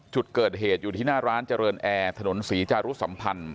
จุดเกิดเหตุอยู่ที่หน้าร้านเจริญแอร์ถนนศรีจารุสัมพันธ์